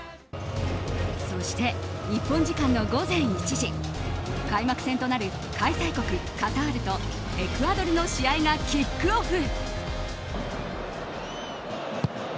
そして日本時間の午前１時開幕戦となる開催国カタールとエクアドルの試合がキックオフ。